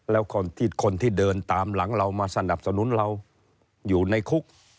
แล้วคนที่เดินตามหลังเรามาสนับสนุนเราอยู่ในคุก